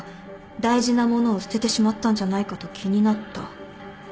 大事な物を捨ててしまったんじゃないかと気になった。